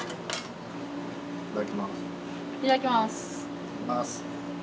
いただきます。